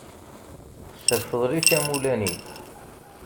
S lfeḍl-ik a mulani.